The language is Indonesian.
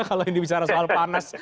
kalau ini bicara soal panas